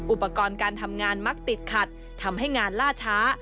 อุปกรณ์การทำงานมักติดขัดทำให้งานล่าช้า